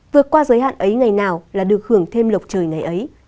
vượt qua giới hạn ấy ngày nào là được hưởng thêm lộc trời ngày ấy